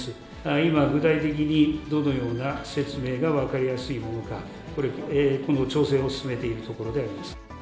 今、具体的にどのような説明が分かりやすいものか、この調整を進めているところであります。